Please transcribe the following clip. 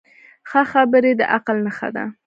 ښه خبرې د عقل نښه ده